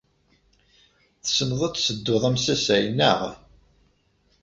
Tessneḍ ad tessedduḍ amsasay, naɣ?